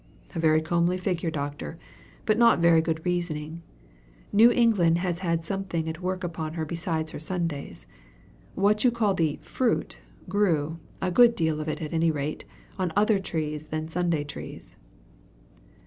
"A very comely figure, Doctor, but not very good reasoning. New England has had something at work upon her beside her Sundays. What you call the 'fruit' grew, a good deal of it at any rate, on other trees than Sunday trees."